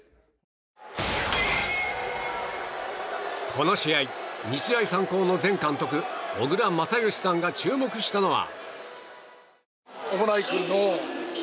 この試合、日大三高の前監督小倉全由さんが注目したのは。